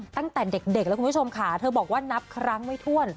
ตั้งแต่เด็กแล้วคุณผู้ชมค่ะเธอบอกว่านับครั้งไม่ถ้วน